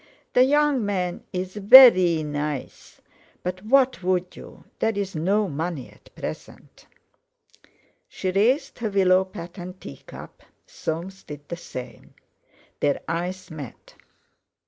The young man is veree nice, but—what would you? There is no money at present." She raised her willow patterned tea cup; Soames did the same. Their eyes met.